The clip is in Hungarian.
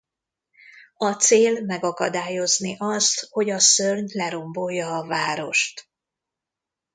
A cél megakadályozni azt hogy a szörny lerombolja a várost.